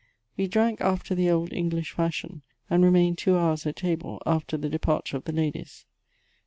We drank after the old English fiELshion, and remained two hours at table after the departure of the ladies.